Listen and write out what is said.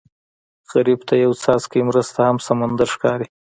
غریب ته یو څاڅکی مرسته هم سمندر ښکاري